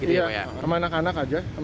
iya sama anak anak aja